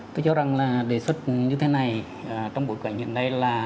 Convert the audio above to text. tôi cho rằng là đề xuất như thế này trong bối cảnh hiện nay là